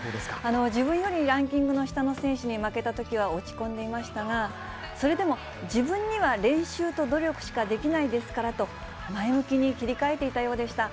自分よりランキングの下の選手に負けたときは、落ち込んでいましたが、それでも、自分には練習と努力しかできないですからと、前向きに切り替えていたようでした。